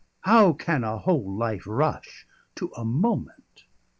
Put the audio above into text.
How can a whole life rush to a moment?